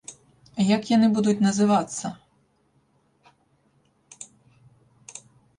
Як яны будуць называцца?